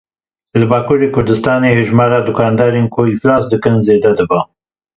Li Bakurê Kurdistanê hejmara dukandarên ku îflas dikin zêde dibe.